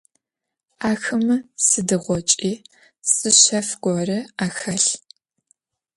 Ахэмэ сыдигъокӏи зы шъэф горэ ахэлъ.